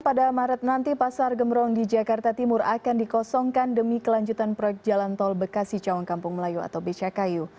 pada maret nanti pasar gemrong di jakarta timur akan dikosongkan demi kelanjutan proyek jalan tol bekasi cawang kampung melayu atau bcku